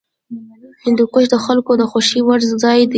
هندوکش د خلکو د خوښې وړ ځای دی.